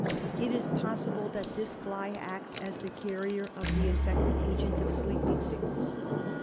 It is possible that this fly acts as the carrier of the infective agent of sleeping sickness.